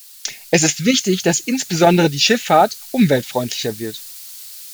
Es ist wichtig, dass insbesondere die Schifffahrt umweltfreundlicher wird.